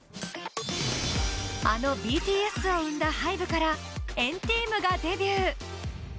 あのＢＴＳを生んだＨＹＢＥから＆ＴＥＡＭがデビュー。